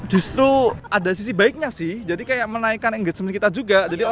justru ada sisi baiknya sih jadi kayak menaikkan engagement kita juga